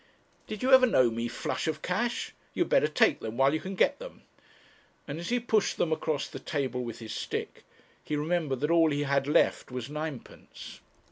'Did you ever know me flush of cash? You had better take them while you can get them,' and as he pushed them across the table with his stick, he remembered that all he had left was ninepence.